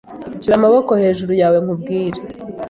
Shira amaboko hejuru yawe nkubwire